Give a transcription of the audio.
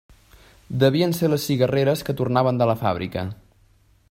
Devien ser les cigarreres que tornaven de la fàbrica.